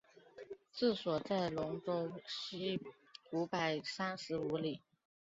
治所在戎州西五百三十五里。